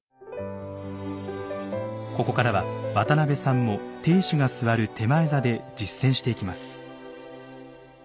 ここからは渡邊さんも亭主が座る点前座で実践していきます。